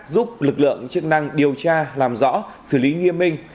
giúp lực lượng chức năng điều tra làm rõ xử lý nghiêm minh